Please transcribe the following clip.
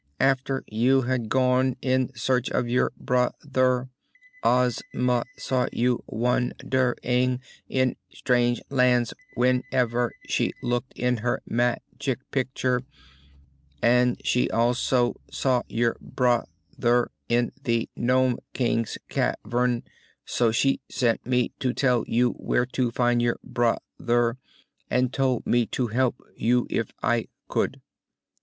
Af ter you had gone in search of your broth er, Oz ma saw you wan der ing in strange lands when ev er she looked in her mag ic pic ture, and she also saw your broth er in the Nome King's cavern; so she sent me to tell you where to find your broth er and told me to help you if I could.